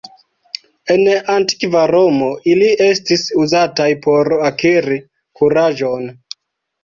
En Antikva Romo ili estis uzataj por akiri kuraĝon.